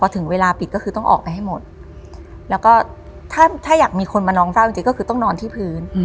ถึงเวลาปิดก็คือต้องออกไปให้หมดแล้วก็ถ้าอยากมีคนมานองเฝ้าจริงก็คือต้องนอนที่พื้น